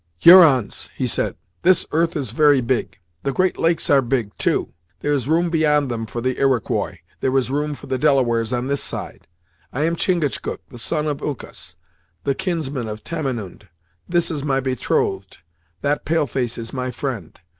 "Hurons," he said, "this earth is very big. The Great Lakes are big, too; there is room beyond them for the Iroquois; there is room for the Delawares on this side. I am Chingachgook the Son of Uncas; the kinsman of Tamenund. This is my betrothed; that pale face is my friend.